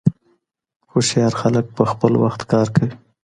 هوښیار خلګ په خپل وخت کار کوي.